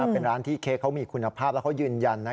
เป็นร้านที่เค้กเขามีคุณภาพแล้วเขายืนยัน